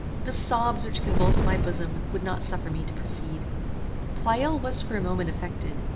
The sobs which convulsed my bosom would not suffer me to proceed. Pleyel was for a moment affected.